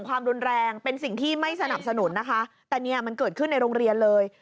ความรุนแรงเป็นสิ่งที่ไม่สนับสนุนนะคะแต่เนี่ยมันเกิดขึ้นในโรงเรียนเลย